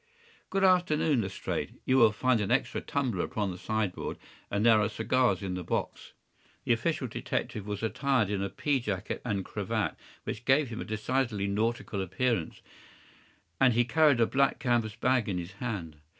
Good afternoon, Lestrade! You will find an extra tumbler upon the sideboard, and there are cigars in the box.” The official detective was attired in a pea jacket and cravat, which gave him a decidedly nautical appearance, and he carried a black canvas bag in his hand.